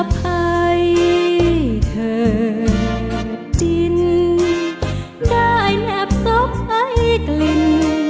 อภัยเธอดินได้แนบทรกไอ้กลิ่น